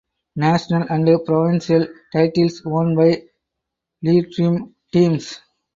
National and provincial titles won by Leitrim teams